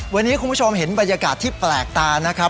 วันนี้คุณผู้ชมเห็นบรรยากาศที่แปลกตานะครับ